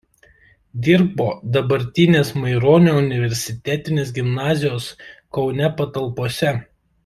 Dirbo dabartinės Maironio universitetinės gimnazijos Kaune patalpose.